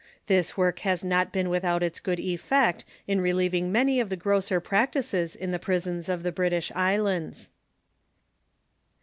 This work has not been without its good effect in relieving many of the gross er practices in the prisons of the British islands.